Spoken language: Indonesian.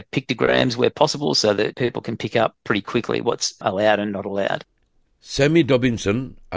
seperti menggunakan mobil atau perangkap di mana mana di taman kota